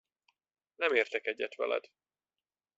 Nem értek egyet veled.